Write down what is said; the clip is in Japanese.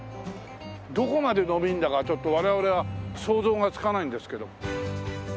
どこまで伸びるんだかちょっと我々は想像がつかないんですけど。